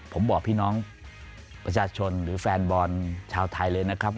ผมบอกพี่น้องประชาชนหรือแฟนบอลชาวไทยเลยนะครับ